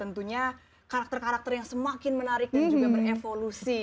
tentunya karakter karakter yang semakin menarik dan juga berevolusi